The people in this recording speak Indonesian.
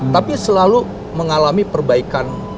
tapi selalu mengalami perbaikan